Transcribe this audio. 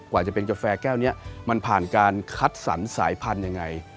กว่าจะเป็นกาแฟแก้วนี้มันผ่านการคัดสรรสายพันธุ์ยังไง